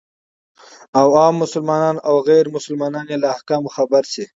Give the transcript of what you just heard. او عام مسلمانان او غير مسلمانان يې له احکامو خبر سي،